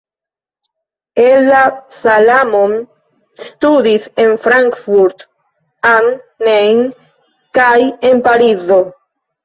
Ella Salamon studis en Frankfurt am Main kaj en Parizo.